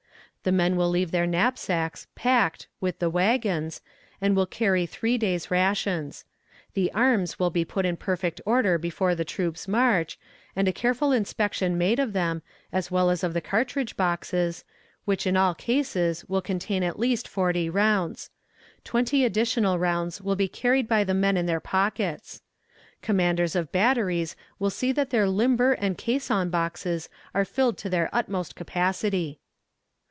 "The men will leave their knapsacks, packed, with the wagons, and will carry three days rations. The arms will be put in perfect order before the troops march, and a careful inspection made of them, as well as of the cartridge boxes, which in all cases will contain at least forty rounds; twenty additional rounds will be carried by the men in their pockets. Commanders of batteries will see that their limber and caisson boxes are filled to their utmost capacity.